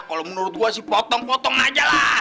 kalau menurut gue sih potong potong aja lah